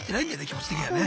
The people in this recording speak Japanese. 気持ち的にはね。